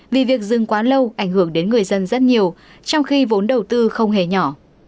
vì việc dừng quá lâu ảnh hưởng đến người dân rất nhiều trong khi vốn đầu tư không hề nhỏ